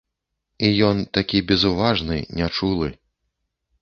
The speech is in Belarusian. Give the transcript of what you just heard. Ён такі безуважны, нячулы.